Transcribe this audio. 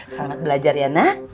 selamat belajar ya nak